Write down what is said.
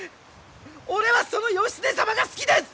俺はその義経様が好きです！